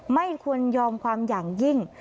ไม่ควรยอมความอย่างยิ่ง